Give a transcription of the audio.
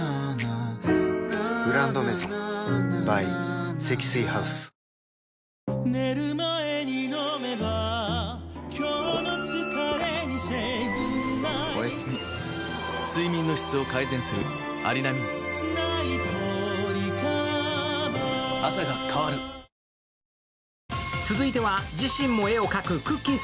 「グランドメゾン」ｂｙ 積水ハウス続いては、自身も絵を描くくっきー！